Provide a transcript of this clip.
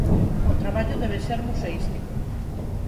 O traballo debe ser museístico.